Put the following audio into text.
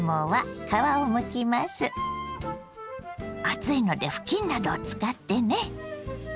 熱いので布巾などを使ってね。